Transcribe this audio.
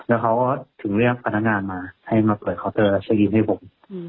แล้วเขาก็ถึงเรียกพนักงานมาให้มาเปิดเคาน์เตอร์ยีนให้ผม